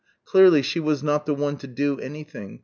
Clearly she was not the one to do anything.